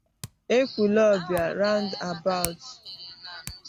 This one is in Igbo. Ekwulọbịa Roundabouts